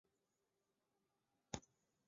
黑胶海龙的图片